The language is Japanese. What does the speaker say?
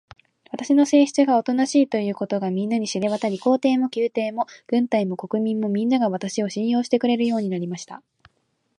私の性質がおとなしいということが、みんなに知れわたり、皇帝も宮廷も軍隊も国民も、みんなが、私を信用してくれるようになりました。